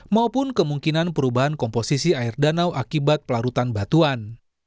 maupun kemungkinan perubahan komposisi air danau akibat pelarutan batuan